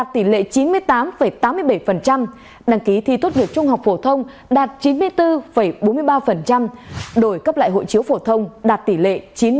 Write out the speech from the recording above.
thông báo lưu trú đạt tỷ lệ chín mươi tám tám mươi bảy đăng ký thi tốt việc trung học phổ thông đạt chín mươi bốn bốn mươi ba đổi cấp lại hội chiếu phổ thông đạt tỷ lệ chín mươi hai mươi tám